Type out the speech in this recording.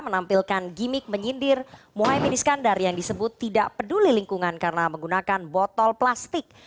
menampilkan gimmick menyindir mohaimin iskandar yang disebut tidak peduli lingkungan karena menggunakan botol plastik